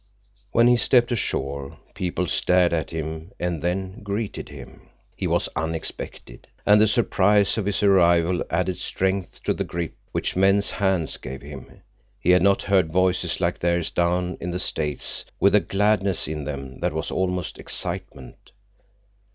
When he stepped ashore, people stared at him and then greeted him. He was unexpected. And the surprise of his arrival added strength to the grip which men's hands gave him. He had not heard voices like theirs down in the States, with a gladness in them that was almost excitement.